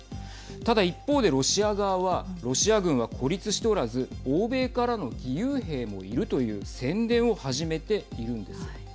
ただ一方で、ロシア側はロシア軍は孤立しておらず欧米からの義勇兵もいるという宣伝を始めているんです。